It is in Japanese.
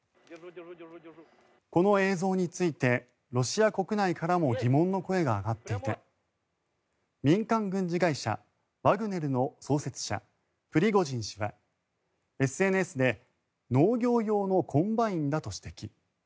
この映像についてロシア国内からも疑問の声が上がっていて民間軍事会社、ワグネルの創設者、プリゴジン氏はＳＮＳで農業用のコンバインだと指摘。